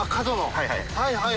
はいはい。